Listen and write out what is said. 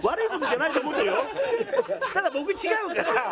別にただ僕違うから。